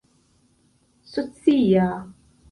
socia